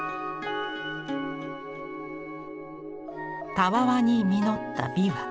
たわわに実った枇杷。